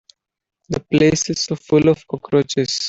The place is so full of cockroaches.